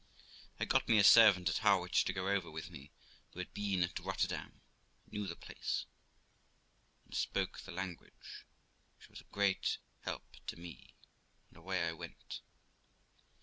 I got me a servant at Harwich to go over with me, who had been at Rotterdam, knew the place, and spoke the language, which was a great help to me, and away I went.